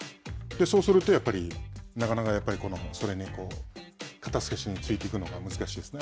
そうすると、やっぱりなかなかそれに肩透かしについていくのが難しいですね。